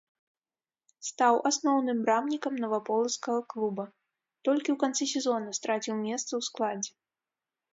Стаў асноўным брамнікам наваполацкага клуба, толькі ў канцы сезона страціў месца ў складзе.